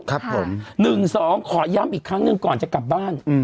ครับผม๑๒ขอย้ำอีกครั้งหนึ่งก่อนจะกลับบ้าน